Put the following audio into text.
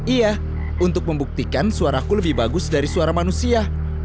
iya untuk membuktikan suaraku lebih bagus dari suara manusia